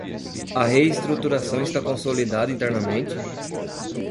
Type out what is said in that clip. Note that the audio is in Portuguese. a reestruturação está consolidada internamente?